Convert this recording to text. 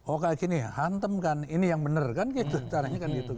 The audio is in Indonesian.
oh kayak gini ya hantem kan ini yang bener kan gitu